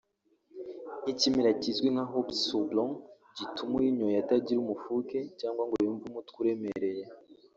n’ikimera kizwi nka “Hops/Houblon” gituma uyinyoye atagira umufuke cyangwa ngo yumve umutwe uremereye